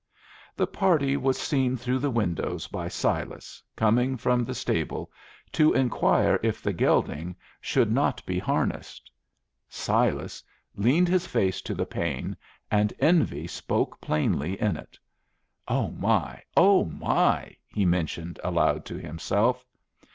The party was seen through the windows by Silas, coming from the stable to inquire if the gelding should not be harnessed. Silas leaned his face to the pane, and envy spoke plainly in it. "O my! O my!" he mentioned aloud to himself.